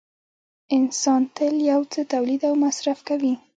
انسان تل یو څه تولید او مصرف کوي